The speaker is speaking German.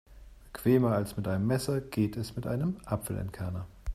Bequemer als mit einem Messer geht es mit einem Apfelentkerner.